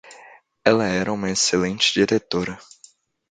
Ela era uma excelente diretora